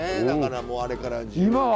だからもうあれから１０年。